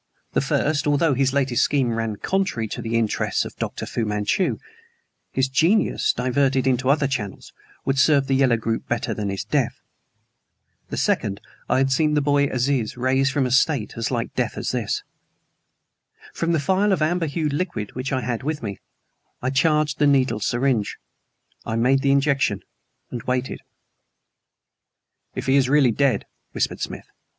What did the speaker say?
The first, although his latest scheme ran contrary from the interests of Dr. Fu Manchu, his genius, diverted into other channels, would serve the yellow group better than his death. The second, I had seen the boy Aziz raised from a state as like death as this. From the phial of amber hued liquid which I had with me, I charged the needle syringe. I made the injection, and waited. "If he is really dead!" whispered Smith.